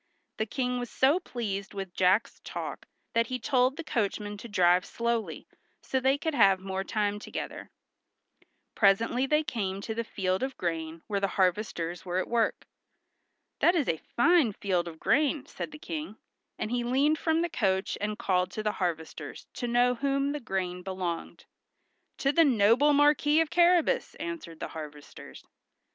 The King was so pleased with Jack's talk that he told the coachman to drive slowly, so they could have the more time together. Presently they came to the field of grain where the harvesters were at work. "That is a fine field of grain," said the King; and he leaned from the coach and called to the harvesters to know to whom the grain belonged. "To the noble Marquis of Carrabas!" answered the harvesters.